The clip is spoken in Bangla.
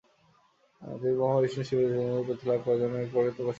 তিনি ব্রহ্মা, বিষ্ণু ও শিবের সমতুল্য পুত্র লাভ করার জন্য কঠোর তপস্যা করেছিলেন।